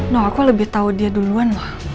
no aku lebih tau dia duluan no